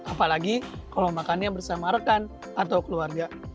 apalagi kalau makannya bersama rekan atau keluarga